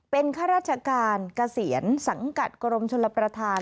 เป็นข้าราชการเกษียณสังกัดกรมชลประธาน